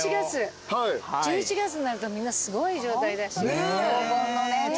１１月になるとみんなすごい状態だし。